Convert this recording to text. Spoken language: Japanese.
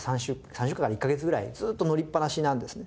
３週間から１カ月ぐらいずーっと乗りっぱなしなんですね。